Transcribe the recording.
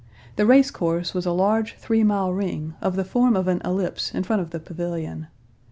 The race course was a large three mile ring of the form of an ellipse in front of the pavilion.